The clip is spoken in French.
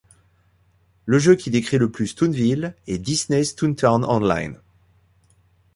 Le jeu qui décrit le plus Toonville est Disney's Toontown Online.